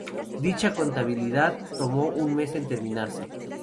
Dicha contabilidad tomó un mes en terminarse.